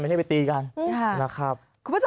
ไม่ได้ไปตีกันอืมนะครับ